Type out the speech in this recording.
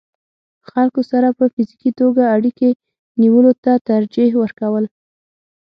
خلکو سره په فزيکي توګه اړيکې نيولو ته ترجيح ورکول